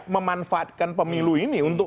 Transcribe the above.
memanfaatkan pemilu ini untuk